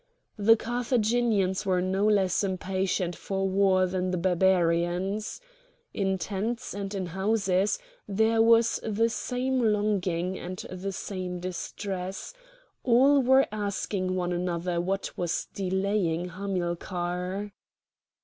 The Carthaginians were no less impatient for war than the Barbarians. In tents and in houses there was the same longing and the same distress; all were asking one another what was delaying Hamilcar.